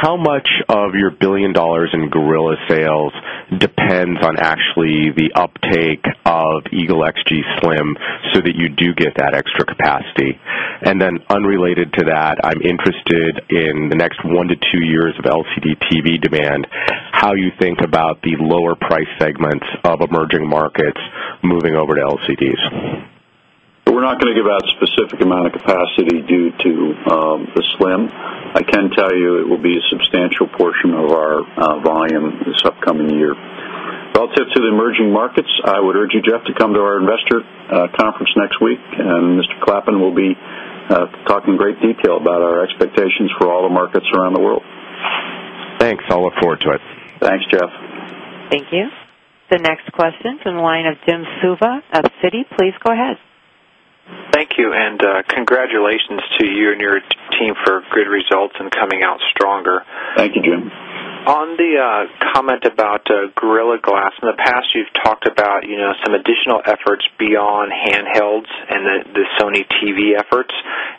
Speaker 10: how much of your $1,000,000,000 in Gorilla sales depends on actually the uptake of Eagle XG Slim so that you do get that extra capacity? And then unrelated to that, I'm interested in the next 1 to 2 years of LCD TV demand, how you think about the lower price segments of emerging markets moving over to LCDs?
Speaker 2: We're not going to give out specific amount of capacity due to the SLIM. I can tell you it will be a substantial portion of our volume this upcoming year. Relative to the emerging markets, I would urge you, Jeff, to come to our investor conference next week and Mr. Clappin will be talking great detail about our expectations for all the markets around the world. Thanks. I'll look forward to it. Thanks, Jeff.
Speaker 1: Thank you. The next question is from the line of Jim Suva of Citi. Please go ahead.
Speaker 5: Thank you and congratulations to you and your team for good results and coming out stronger.
Speaker 2: Thank you, Jim.
Speaker 5: On the comment about Gorilla Glass in the past, you've talked about some additional efforts beyond handhelds and the Sony TV efforts.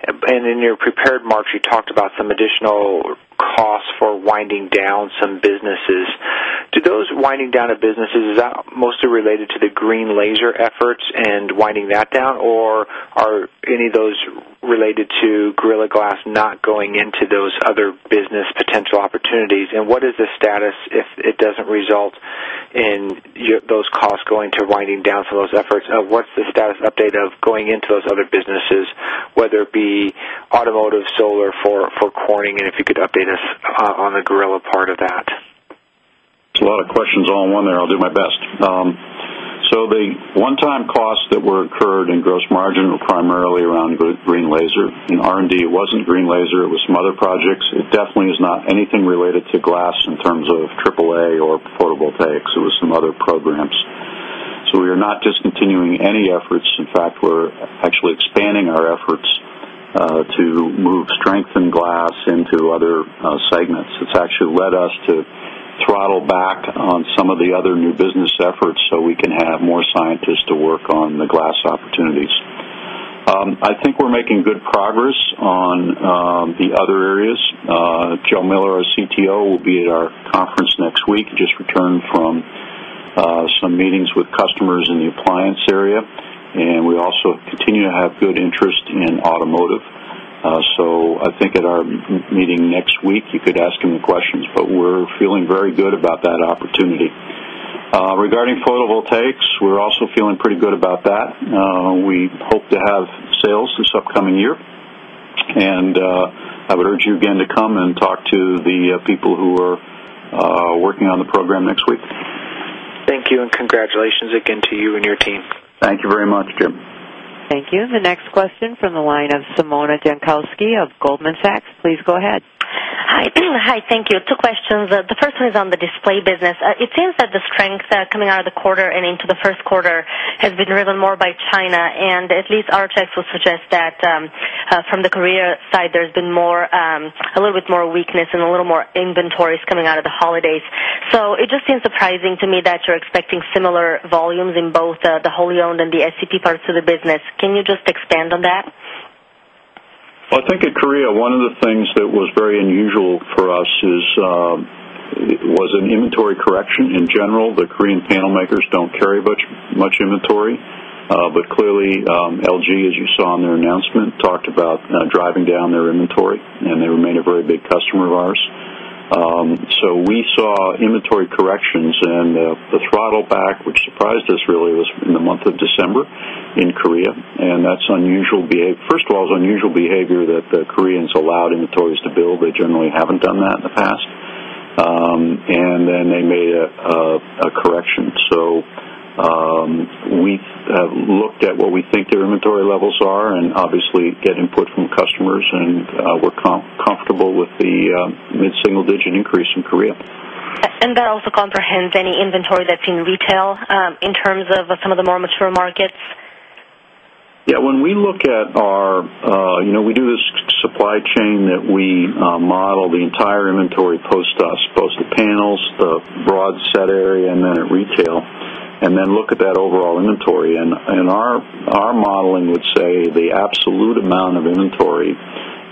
Speaker 5: And in your prepared remarks, you talked about some additional costs for winding down some businesses. Do those winding down of businesses, is that mostly related to the green laser efforts and winding that down? Or are any of those related to Gorilla Glass not going into those other business potential opportunities? And what is the status if it doesn't result in those costs going to winding down some of those efforts? What's the status update of going into those other businesses, whether it be automotive, solar for Corning and if you could update us on the Gorilla part of that?
Speaker 2: It's a lot of questions all in one there. I'll do my best. So the one time costs that were incurred in gross margin were primarily around green laser. In R and D, it wasn't green laser. It was some other projects. It definitely is not anything related to glass in terms of AAA or photovoltaics, it was some other programs. So we are not discontinuing any efforts. In fact, we're actually expanding our efforts to move strength in Glass into other segments. It's actually led us to throttle back on some of the other new business efforts, so we can have more scientists to work on the glass opportunities. I think we're making good progress on the other areas. Joe Miller, our CTO, will be at our conference next week. He just returned from some meetings with customers in the appliance area and we also continue to have good interest in automotive. So I think at our meeting next week, you could ask any questions, but we're feeling very good about that opportunity. Regarding photovoltaics, we're also feeling pretty good about that. We hope to have sales this upcoming year. And I would urge you again to come and talk to the people who are working on the program next week. Thank
Speaker 11: you and congratulations
Speaker 5: again to you and your team.
Speaker 2: Thank you very much, Jim.
Speaker 1: Thank you. The next question is from the line of Simona Jankowski of Goldman Sachs. Please go ahead. Hi. Thank you. Two questions. The first one is on
Speaker 4: the display business. It seems that the strength coming out of the quarter and into the Q1 has been driven more by China. And at least our checks will suggest that from the Korea side, there's been more a little bit more weakness and a little more inventories coming out of the holidays. So it just seems surprising to me that you're expecting similar volumes in both the wholly owned and the SEP parts of the business. Can you just expand on that?
Speaker 2: Well, I think in Korea, one of the things that was very unusual for us is was an inventory correction. In general, the Korean panel makers don't carry much inventory. But clearly, LG, as you saw in their announcement, talked about driving down their inventory and they remain a very big customer of ours. So we saw inventory corrections and the throttle back, which surprised us really was in the month of December in Korea. And that's unusual first of all, it's unusual behavior that the Koreans allowed inventories to build. They generally haven't done that in the past and then they made a correction. So, we have looked at what we think their inventory levels are and obviously get input from customers and we're comfortable with the mid single digit increase in Korea.
Speaker 4: And that also comprehends any inventory that's in retail in terms of some of the more mature markets?
Speaker 2: Yes. When we look at our we do this supply chain that we model the entire inventory post us, post the panels, the broad set area and then at retail and then look at that overall inventory. And our modeling would say the absolute amount of inventory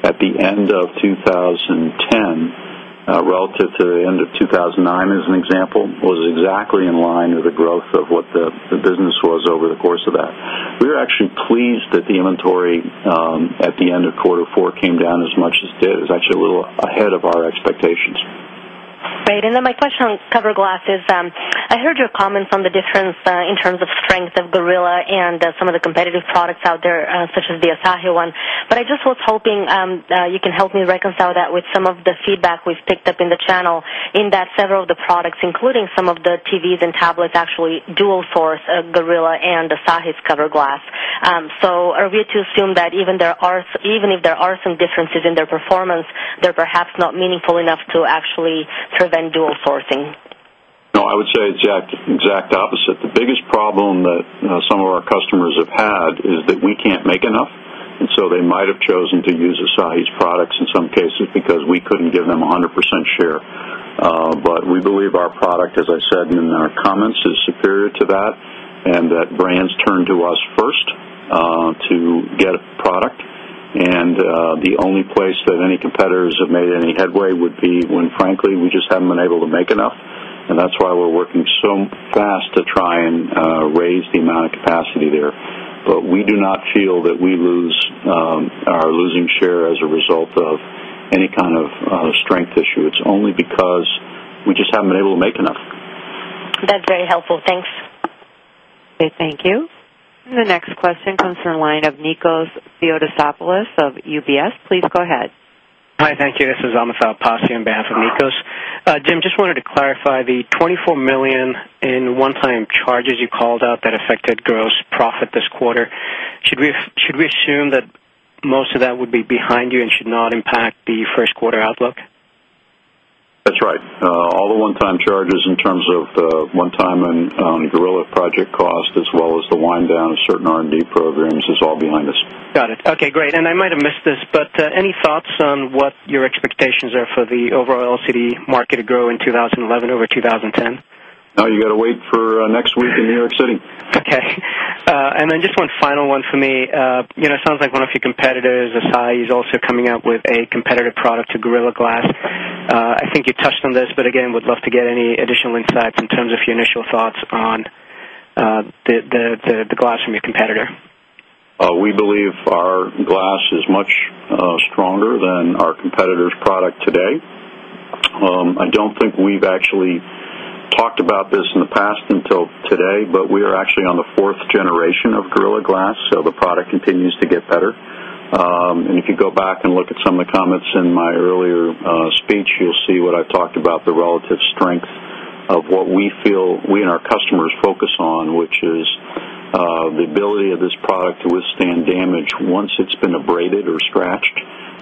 Speaker 2: at the end of 2010 relative to the end of 2,009 as an example was exactly in line with the growth of what the business was over the course of that. We were actually pleased that the inventory at the end of quarter 4 came down as much as it did. It's actually a little ahead of
Speaker 3: our expectations. Great.
Speaker 4: And then my question on cover glasses. I heard your comments on the difference in terms of strength of Gorilla and some of the competitive products out there such as the Assai one. But I just was hoping you can help me reconcile that with some of the feedback we've picked up in the channel in that several of the products, including some of the TVs and tablets actually dual source Gorilla and the Sahis cover glass. So are we to assume that even there are even if there are some differences in their performance, they're perhaps not meaningful enough to actually prevent dual sourcing?
Speaker 2: I would say exact opposite. The biggest problem that some of our customers have had is that we can't make enough. So, they might have chosen to use Assai's products in some cases because we couldn't give them 100% share. But we believe our product, as I said in our comments, is superior to that and that brands turn to us first to get product. And the only place that any competitors have made any headway would be when frankly we just haven't been able to make enough. And that's why we're working so fast to try and raise the amount of capacity there. But we do not feel that we lose are losing share as a result of any kind of strength issue. It's only because we just haven't been able to make enough.
Speaker 1: That's very helpful. Thanks. Okay. Thank you. And the next question comes from the line of Nikos Theodosopoulos of UBS. Please go ahead.
Speaker 11: Hi. Thank you. This is Amitav Patna on behalf of Nikos. Jim, just wanted to clarify the $24,000,000 in one time charges you called out that affected gross profit this quarter. Should we assume that most of that would be behind you and should not impact the Q1 outlook?
Speaker 2: That's right. All the one time charges in terms of one time and on Gorilla project cost as well as the wind down of certain R and D programs is all behind us.
Speaker 11: Got it. Okay, great. And I might have missed this, but any thoughts on what your expectations are for the overall LCD market to grow in 2011 over 2010?
Speaker 2: No, you got to wait for next week in New York City.
Speaker 11: Okay. And then just one final one for me. It sounds like one of your competitors, Assai, is also coming up with a competitive product to Gorilla Glass. I think you touched on this, but again would love to get any additional insights in terms of your initial thoughts on the glass from your competitor.
Speaker 2: We believe our glass is much stronger than our competitor's product today. I don't think we've actually talked about this in the past until today, but we are actually on the 4th generation of Gorilla Glass, so the product continues to get better. And if you go back and look at some of the comments in my earlier speech, you'll see what I talked about the relative strength of what we feel we and our customers focus on, which is the ability of this product to withstand damage once it's been abraded or scratched.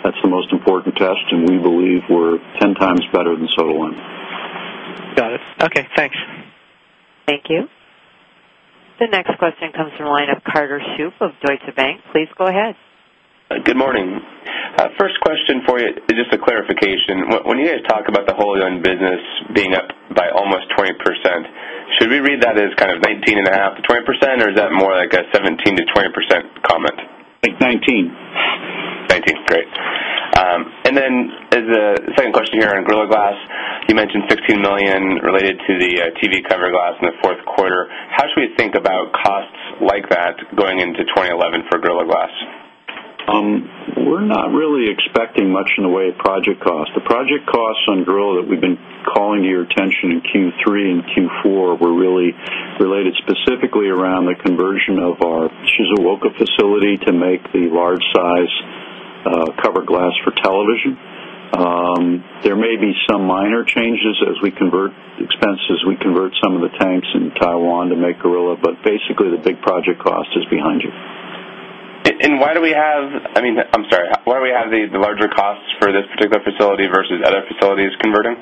Speaker 2: That's the most important test and we believe we're 10 times better than soda lime.
Speaker 11: Got it. Okay. Thanks.
Speaker 1: Thank you. The next question comes from the line of Carter Shoop of Deutsche Bank. Please go ahead.
Speaker 10: Good morning. First question for you is just a clarification. When you guys talk about the wholly owned business being up by almost 20%, should we read that as kind of 19.5% to 20% or is that more like a 17% to 20% comment? I think 19%. 19%. Great. And then as a second question here on Gorilla Glass, you mentioned $16,000,000 related to the TV cover glass in the Q4. How should we think about costs like that going into 2011 for Gorilla Glass?
Speaker 2: We're not really expecting much in the way of project cost. The project costs on Gorilla that we've been calling to your attention in Q3 and Q4 were really related specifically around the conversion of our Shizuoka facility to make the large size cover glass for television. There may be some minor changes as we convert expenses, we convert some of the tanks in Taiwan to make Gorilla, but basically the big project cost is behind you.
Speaker 10: And why do we have I mean, I'm sorry, why do we have the larger costs for this particular facility versus other facilities converting?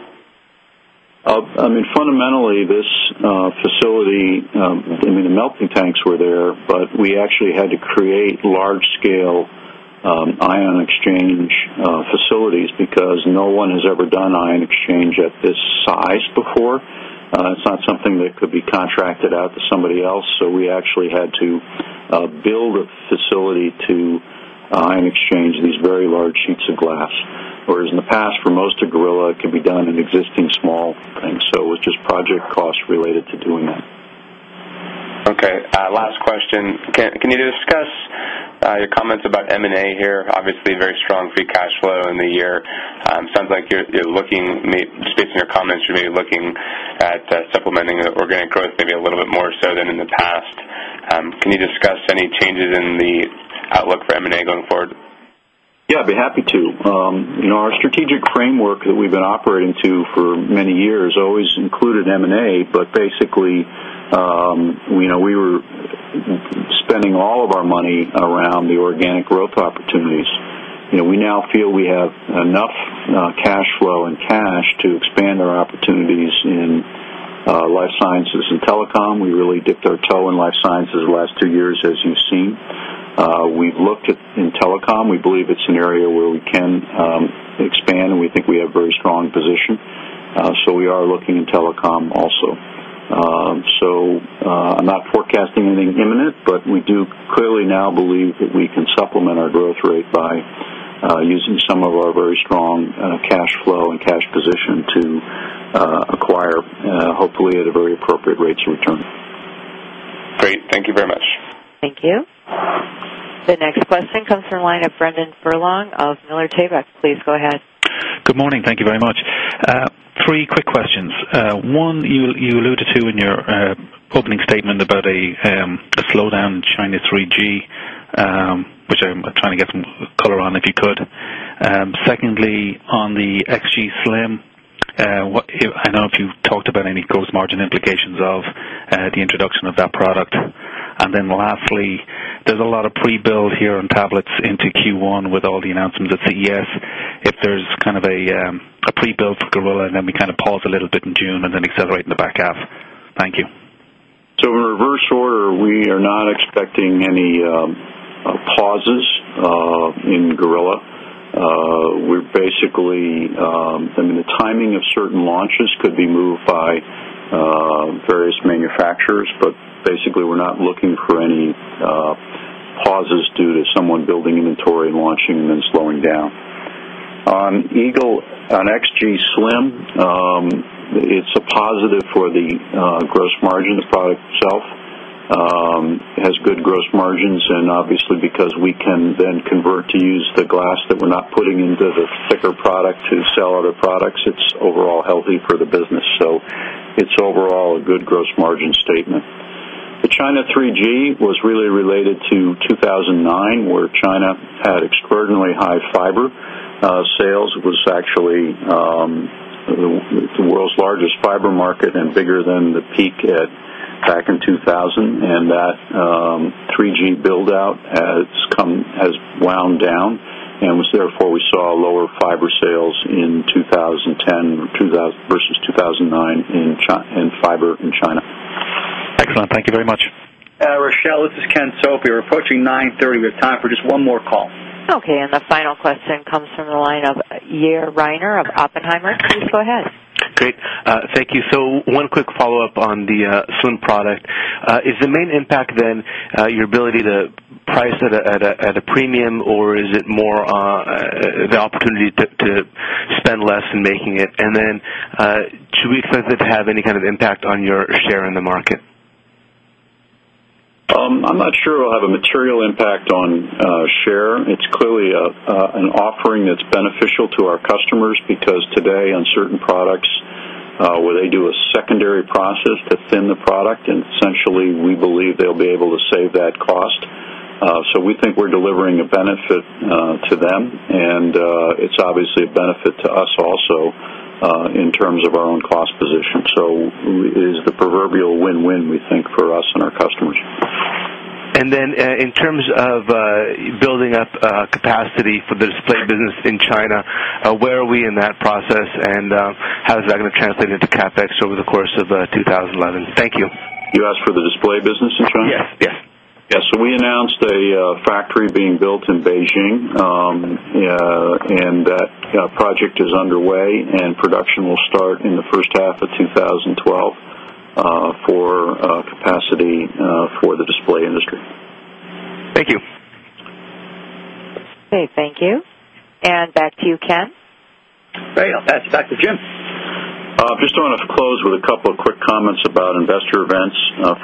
Speaker 2: I mean fundamentally this facility, I mean the melting tanks were there, but we actually had to create large scale ion exchange facilities because no one has ever done ion exchange at this size before. It's not something that could be contracted out to somebody else. So we actually had to build a facility to exchange these very large sheets of glass, whereas in the past for most of Gorilla, it can be done in existing small things. So it was just project costs related to doing that.
Speaker 10: Okay. Last question. Can you discuss your comments about M and A here? Obviously, very strong free cash flow in the year. It sounds like you're looking based on your comments, you may be looking at supplementing organic growth maybe a little bit more so than in the past. Can you discuss any changes in the outlook for M and A going forward?
Speaker 2: Yes, I'd be happy to. Our strategic framework that we've been operating to for many years always included M and A, but basically we were spending all of our money around the organic growth opportunities. We now feel we have enough cash flow and cash to expand our opportunities in Life Sciences and Telecom. We really dipped our toe in Life Sciences last 2 years as you've seen. We've looked at in telecom. We believe it's an area where we can expand and we think we have very strong position. So we are looking in telecom also. So I'm not forecasting anything imminent, but we do clearly now believe that we can supplement our growth rate by using some of our very strong cash flow and cash position to acquire hopefully at a very appropriate rates of return.
Speaker 10: Great. Thank you very much.
Speaker 1: Thank you. The next question comes from the line of Brendan Furlong of Miller Tabak. Please go ahead.
Speaker 6: Good morning. Thank you very much. Three quick questions. One, you alluded to in your opening statement about a slowdown in China 3 gs, which I'm trying to get some color on, if you could. Secondly, on the XGSlim, I don't know if you've talked about any gross margin implications of the introduction of that product. And then lastly, there's a lot of pre build here on tablets into Q1 with all the announcements at CES, if there's kind of a pre build for Gorilla and then we kind of pause a little bit in June and then accelerate in the back half? Thank you.
Speaker 2: So in reverse order, we are not expecting any pauses in Gorilla. We're basically I mean the timing of certain launches could be moved by various manufacturers, but basically we're not looking for any pauses due to someone building inventory launching and then slowing down. On Eagle, on XGSlim, it's a positive for the gross margin. The product itself has good gross margins and obviously because we can then convert to use the glass that we're not putting into the thicker product to sell other products, it's overall healthy for the business. So it's overall a good gross margin statement. The China 3 gs was really related to 2,009 where China had extraordinarily high fiber sales. It was actually the world's largest fiber market and bigger than the peak back in 2000 and that 3 gs build out has come has wound down and was therefore we saw lower fiber sales in 2010 versus 2,009 in fiber in China.
Speaker 6: Excellent. Thank you very much.
Speaker 2: Rochelle, this is Ken Soper. We're approaching 9:30. We have time for just one more call.
Speaker 1: Okay. And the final question comes from the line of Yair Reiner of Oppenheimer. Please go ahead.
Speaker 8: Great. Thank you. So one quick follow-up on the SUN product. Is the main impact then your ability to price at a premium or is it more the opportunity to spend less in making it? And then should we expect it to have any kind of impact on your share in the market?
Speaker 2: I'm not sure it will have a material impact on share. It's clearly an offering that's beneficial to our customers because today on certain products where they do a secondary benefit to them and it's obviously a benefit to us also in terms of our own cost position. So, it is the proverbial win win we think for us and our customers.
Speaker 8: And then in terms of building up capacity for the display business in China, where are we in that process? And how is that going to translate into CapEx over the course of 2011? Thank you.
Speaker 2: You asked for the display business in China? Yes. Yes. So we announced a factory being built in Beijing and that project is underway and production will start in the first half of twenty twelve for capacity for the display industry.
Speaker 6: Thank you.
Speaker 1: Okay. Thank you. And back to you Ken.
Speaker 2: Great. I'll pass it back to Jim. Just want to close with a couple of quick comments about investor events.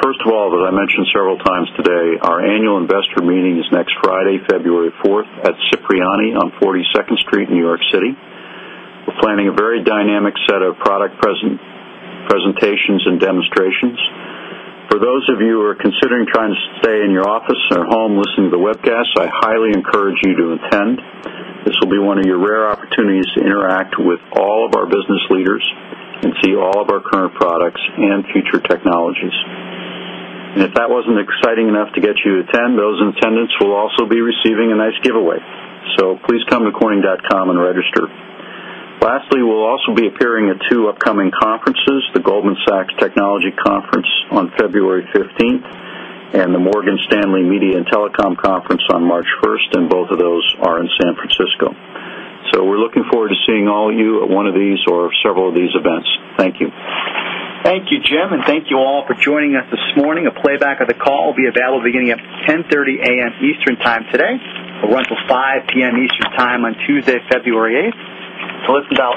Speaker 2: First of all, that I mentioned several times today, our Annual Investor Meeting is next Friday, February 4 at Cipriani on 42nd Street, New York City. We're planning a very dynamic set of product presentations and demonstrations. For those of you who are considering trying to stay in your office or home listening to the webcast, I highly encourage you to attend. This will be one of your rare opportunities to interact with all of our business leaders and see all of our current products and future technologies. If that wasn't exciting enough to get you to attend, those in attendance will also be receiving a nice giveaway. So please come to corning.com and register. Lastly, we'll also be appearing at 2 upcoming conferences, the Goldman Sachs Technology Conference on February 15th and the Morgan Stanley Media and Telecom Conference on March 1st and both of those are in San Francisco. So we're looking forward to seeing all of you at one of these or several of these events. Thank you. Thank you, Jim, and thank you all for joining us this morning. A playback of the call will be available beginning at 10:30 a. M. Eastern Time today or run till 5 p. M. Eastern Time on Tuesday, February 8. To listen dial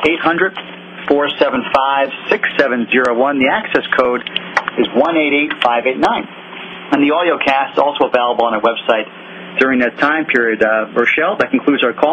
Speaker 2: 800-475-6701, the access code is 188,589. And the audio cast is also available on our website during that time period. Rochelle, that concludes our